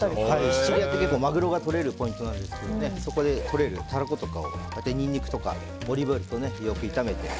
シチリアって結構マグロがとれるポイントなんですがそこでとれるタラコとかをニンニクとかオリーブオイルとよく炒めて。